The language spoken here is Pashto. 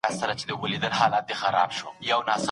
نوښت د ژوند د پرمختګ لپاره حتمي دی.